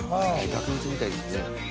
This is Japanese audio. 額縁みたいですね。